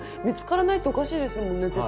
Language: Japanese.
見つからないっておかしいですもんね？